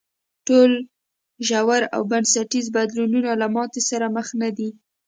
ټول ژور او بنسټیز بدلونونه له ماتې سره مخ نه دي.